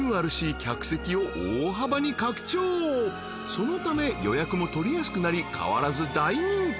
［そのため予約も取りやすくなり変わらず大人気］